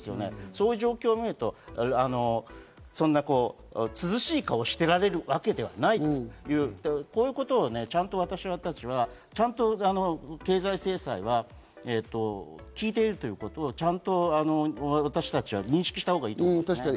そういう状況を見ると涼しい顔をしていられるわけではなく、こういうことを私たちは経済制裁は効いているということを認識したほうがいいと思いますね。